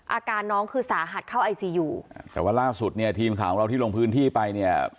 อาการน้องคือสาหัสเข้าไอซียูแต่ว่าล่าสุดเนี่ยทีมข่าวของเราที่ลงพื้นที่ไปเนี่ย